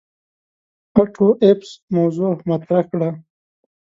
آټو ایفز موضوغ مطرح کړه.